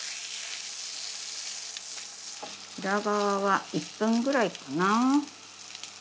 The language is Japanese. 裏側は１分ぐらいかな。